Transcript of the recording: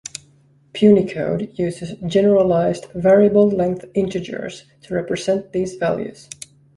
Punycode uses generalized variable-length integers to represent these values.